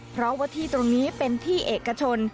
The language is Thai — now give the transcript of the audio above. เพราะว่าที่ตรงนี้เป็นที่เอกชน